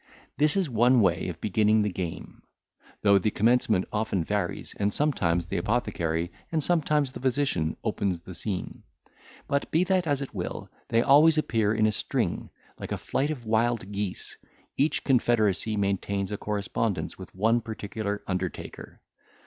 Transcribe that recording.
This is one way of beginning the game. Though the commencement often varies, and sometimes the apothecary and sometimes the physician opens the scene; but, be that as it will, they always appear in a string, like a flight of wild geese, and each confederacy maintains a correspondence with one particular undertaker.